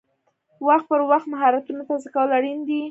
وخت پر وخت مهارتونه تازه کول اړین دي.